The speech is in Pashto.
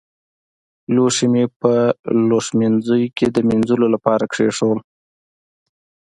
لوښي مې په لوښمینځوني کې د مينځلو لپاره کېښودل.